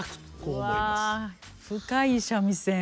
うわ深い三味線。